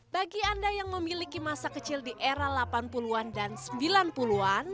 bagi anda yang memiliki masa kecil di era delapan puluh an dan sembilan puluh an